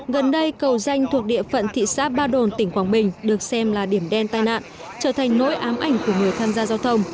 gần đây cầu danh thuộc địa phận thị xã ba đồn tỉnh quảng bình được xem là điểm đen tai nạn trở thành nỗi ám ảnh của người tham gia giao thông